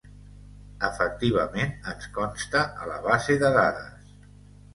Efectivament ens consta a la base de dades.